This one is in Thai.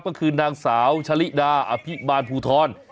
ก็คือนางสาวชะลิดาอภิบาลภูทร